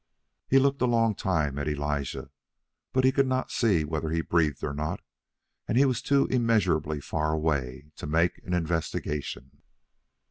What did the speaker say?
He looked a long time at Elijah, but could not see whether he breathed or not, and he was too immeasurably far away to make an investigation.